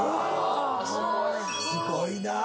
すごいな！